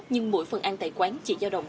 nhưng mỗi phần ăn tại quán chỉ giao động